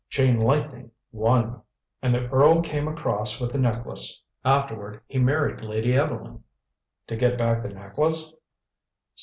Chain Lightning won. And the earl came across with the necklace. Afterward he married Lady Evelyn " "To get back the necklace?"